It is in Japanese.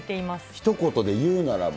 ひと言で言うならば。